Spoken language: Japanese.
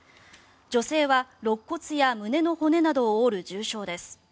女性はろっ骨や胸の骨などを折る重傷です。